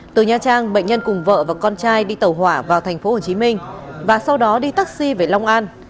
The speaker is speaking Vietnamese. từ nha trang bệnh nhân cùng vợ và con trai đi tàu hỏa vào tp hcm và sau đó đi taxi về long an